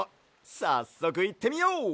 さっそくいってみよう！